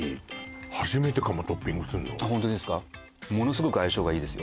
初めてかもトッピングすんのあホントですかものすごく相性がいいですよ